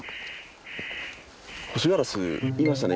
ホシガラスいましたね